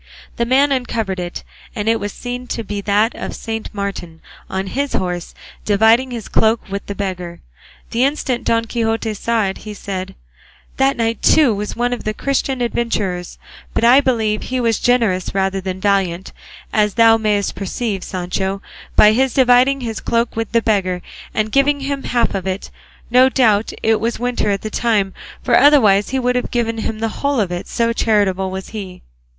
The man uncovered it, and it was seen to be that of Saint Martin on his horse, dividing his cloak with the beggar. The instant Don Quixote saw it he said, "This knight too was one of the Christian adventurers, but I believe he was generous rather than valiant, as thou mayest perceive, Sancho, by his dividing his cloak with the beggar and giving him half of it; no doubt it was winter at the time, for otherwise he would have given him the whole of it, so charitable was he."